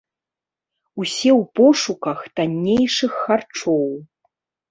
Усе ў пошуках таннейшых харчоў.